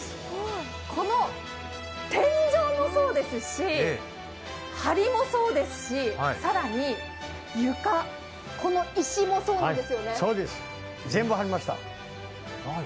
この天井もそうですし、梁もそうですし、更に床、この石もそうですね。